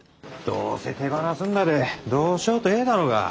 どうせ手放すんだでどうしようとええだろが。